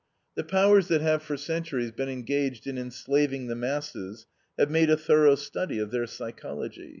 The powers that have for centuries been engaged in enslaving the masses have made a thorough study of their psychology.